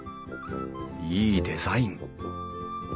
いいデザイン！